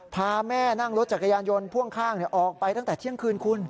พาแม่นั่งรถจักรยานยนต์พ่วงข้างออกไปตั้งแต่เที่ยงคืนคุณ